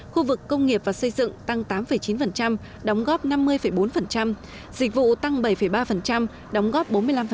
khu vực công nghiệp và xây dựng tăng tám chín đóng góp năm mươi bốn dịch vụ tăng bảy ba đóng góp bốn mươi năm